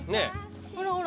ほらほら。